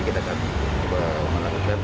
kita akan coba melakukan